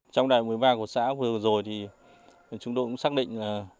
trong đài một mươi ba của xã vừa rồi thì chúng tôi cũng xác định là